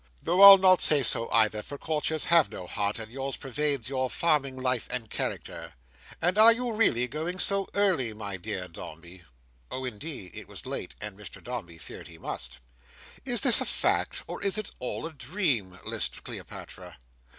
Though I'll not say so, either; for courtiers have no heart, and yours pervades your farming life and character. And are you really going so early, my dear Dombey!" Oh, indeed! it was late, and Mr Dombey feared he must. "Is this a fact, or is it all a dream!" lisped Cleopatra.